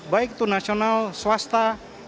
baik itu nasional swasta